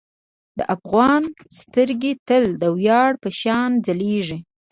د افغان سترګې تل د ویاړ په شان ځلیږي.